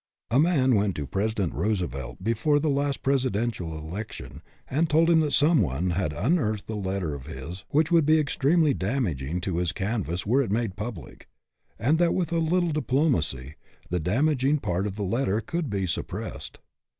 A man went to President Roosevelt, before the last presidential election, and told him that someone had unearthed a letter of his which would be extremely damaging to his canvass were it made public, and that, with a little diplomacy, the damaging part of the letter could be suppressed.